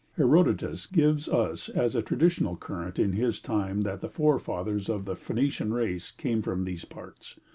Herodotus gives us as a tradition current in his time that the forefathers of the Phoenician race came from these parts.